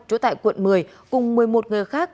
trú tại quận một mươi cùng một mươi một người khác